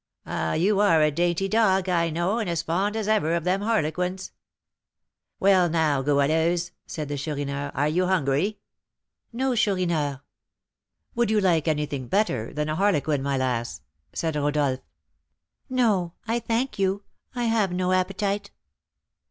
"Ah! you are a dainty dog, I know, and as fond as ever of them harlequins." "Well, now, Goualeuse," said the Chourineur, "are you hungry?" "No, Chourineur." "Would you like anything better than a harlequin, my lass?" said Rodolph. "No, I thank you; I have no appetite."